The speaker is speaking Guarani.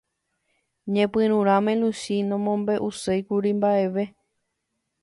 Ñepyrũrãme Luchi nomombe'uséikuri mba'eve.